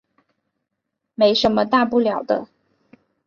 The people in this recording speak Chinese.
没什么大不了的